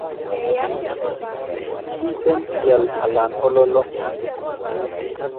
miten ial anan ololo